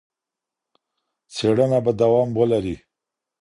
څېړنه به دوام ولري.